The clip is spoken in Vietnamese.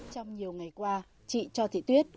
trong nhiều ngày qua chị cho thị tuyết